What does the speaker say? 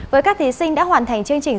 với các thí sinh đã hoàn thành chương trình